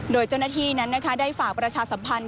โดยเจ้าหน้าที่นั้นได้ฝากประชาสัมพันธ์